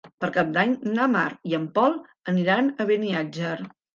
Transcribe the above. Per Cap d'Any na Mar i en Pol aniran a Beniatjar.